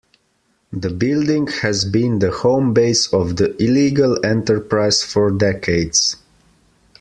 The building has been the home base of the illegal enterprise for decades.